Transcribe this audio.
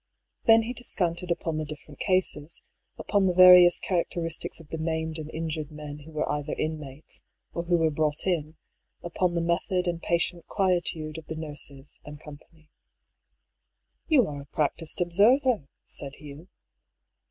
Then he descanted upon the different cases, upon the various characteristics of the maimed and injured men who were either inmates, or who were brought in, upon the method and patient quietude of the nurses, &c. " You are a practised observer," said Hugh.